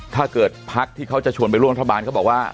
ถ้าเกิดพักที่เขาจะชวนไปร่วมทบาทก็บอกว่า